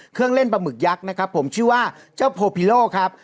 เครื่องเล่นปลาหมึกยักษ์นะครับผมชื่อว่าเจ้าโพพิโลครับ